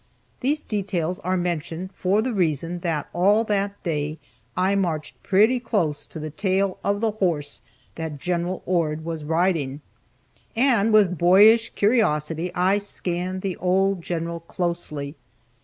These details are mentioned for the reason that all that day I marched pretty close to the tail of the horse that Gen. Ord was riding, and with boyish curiosity, I scanned the old general closely.